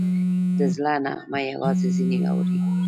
د زړه نغمه یوازې ځینې اوري